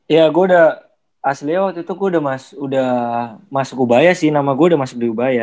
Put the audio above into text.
ya gue udah aslinya waktu itu gue udah masuk ubaya sih nama gue udah masuk di ubaya